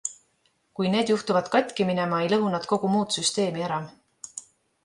Kui need juhtuvad katki minema, ei lõhu nad kogu muud süsteemi ära.